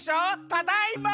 ただいま！